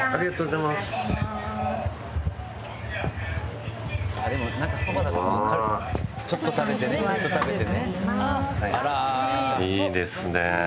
いいですね。